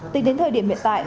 tính đến thời điểm hiện tại